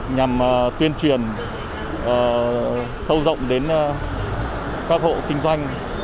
nhằm tuyên truyền sâu rộng đến các hộ kinh doanh